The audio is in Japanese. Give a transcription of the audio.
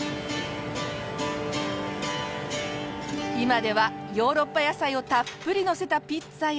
今ではヨーロッパ野菜をたっぷりのせたピッツァや。